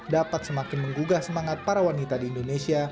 dapat semakin menggugah semangat para wanita di indonesia